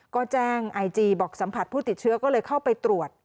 ก็แจ้งไอจีบอกสัมผัสผู้ติดเชื้อก็เลยเข้าไปตรวจ